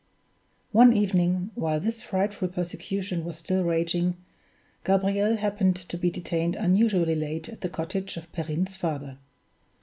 One evening, while this frightful persecution was still raging, Gabriel happened to be detained unusually late at the cottage of Perrine's father.